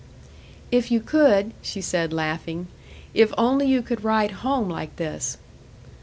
"If you could," she said, laughing. "If only you could ride home like this."